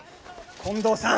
近藤さん！